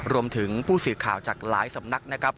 รวมถึงผู้สื่อข่าวจากหลายสำนักนะครับ